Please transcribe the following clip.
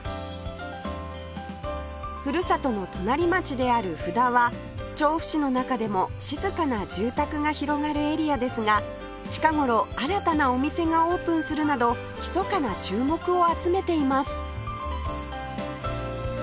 ふるさとの隣町である布田は調布市の中でも静かな住宅が広がるエリアですが近頃新たなお店がオープンするなどひそかな注目を集めています